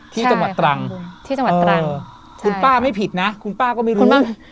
ที่จังหวัดตรังเออคุณป้าไม่ผิดนะคุณป้าก็ไม่รู้คุณป้า